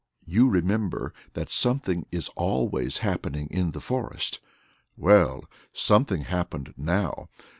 You remember that something is always happening in the forest? Well something happened now.